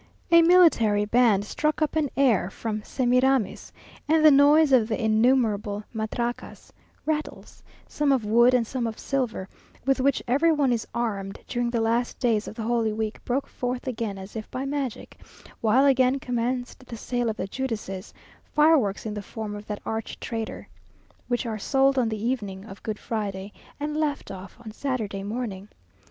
A military band struck up an air from Semiramis: and the noise of the innumerable matracas (rattles), some of wood and some of silver, with which every one is armed during the last days of the holy week, broke forth again as if by magic, while again commenced the sale of the Judases, fireworks in the form of that arch traitor, which are sold on the evening of Good Friday, and let off on Saturday morning.